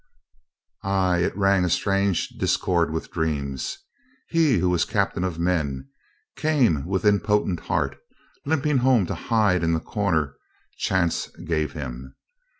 Ay, it rang a strange discord with dreams. He, who was a captain of men, came with impotent heart, limping home to hide in the corner chance gave him.